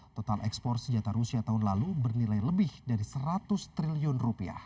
total ekspor senjata rusia tahun lalu bernilai lebih dari seratus triliun